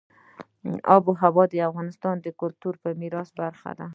آب وهوا د افغانستان د کلتوري میراث برخه ده.